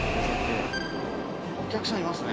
お客さんいますね。